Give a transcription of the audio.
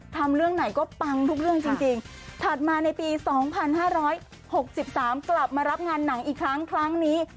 เรื่องไหนก็ปังทุกเรื่องจริงถัดมาในปี๒๕๖๓กลับมารับงานหนังอีกครั้งครั้งนี้